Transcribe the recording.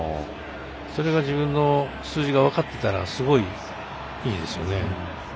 それが自分の数字が分かってたらすごい、いいですよね。